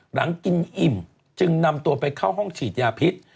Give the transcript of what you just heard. หลังกินอิ่มจึงนำตัวไปเข้าห้องฉีดยาพิษ